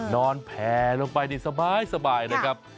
นอนแผลลงไปสบายนะครับ